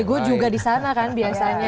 nego nego juga disana kan biasanya